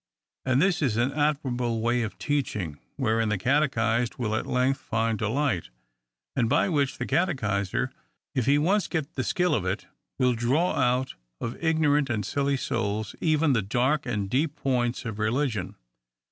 And this is an admirable way of teaching, wherein the catechised will at length find delight ; and by which the catechiser, if he once get the skill of it, will draw out of ignorant and silly souls even the dark and deep points of religion.